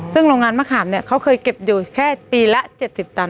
ซึ่งโรงงานมะขามเนี่ยเขาเคยเก็บอยู่แค่ปีละ๗๐ตัน